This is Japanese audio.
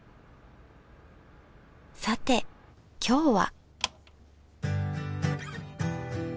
さて今日は？